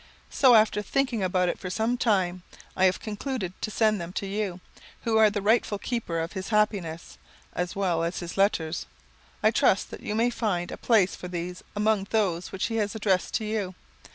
"So, after thinking about it for some time, I have concluded to send them to you, who are the rightful keeper of his happiness, as well as of his letters. I trust that you may find a place for these among those which he has addressed to you.